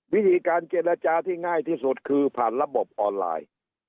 วิธีการเจรจาที่ง่ายที่สุดคือผ่านระบบออนไลน์